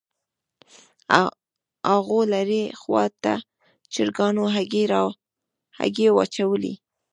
هاغو لرې خوا ته چرګانو هګۍ واچولې